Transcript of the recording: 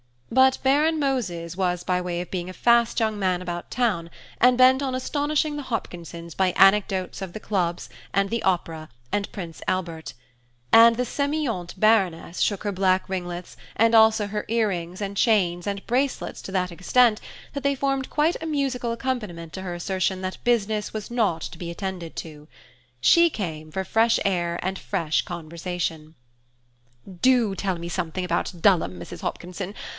But Baron Moses was by way of being a fast young man about town, and bent on astonishing the Hopkinsons by anecdotes of the clubs, and the opera, and Prince Albert; and the sémillante Baroness shook her black ringlets, and also her ear rings, and chains, and bracelets to that extent, that they formed quite a musical accompaniment to her assertion that business was not to be attended to. She came for fresh air and fresh conversation. "Do tell me something about Dulham, Mrs. Hopkinson.